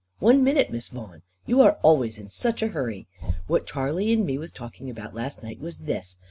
One minute, Miss Vaughan; you are always in such a hurry. What Charley and me was talking about last night was this.